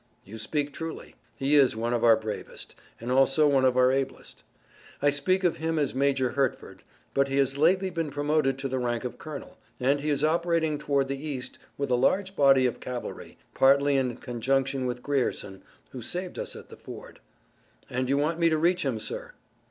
"You speak truly. He is one of our bravest, and also one of our ablest. I speak of him as Major Hertford, but he has lately been promoted to the rank of colonel, and he is operating toward the East with a large body of cavalry, partly in conjunction with Grierson, who saved us at the ford." "And you want me to reach him, sir!"